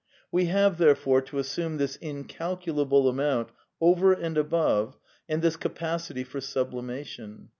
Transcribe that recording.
We have, therefore, to assume this incalculable amount over and above, and this capacity for sublimation.